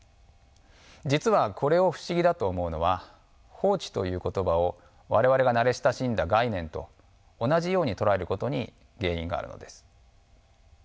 実はこれを不思議だと思うのは法治という言葉を我々が慣れ親しんだ概念と同じように捉えることに原因があるのです。